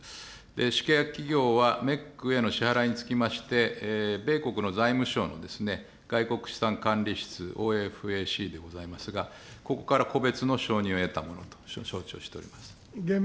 主契約企業はメックへの支払いにつきまして、米国の財務省のですね、外国資産管理室・ＯＦＡＣでございますが、ここから個別の承認を得たものと承知をしております。